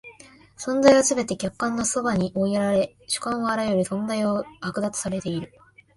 存在はすべて客観の側に追いやられ、主観はあらゆる存在を剥奪されている。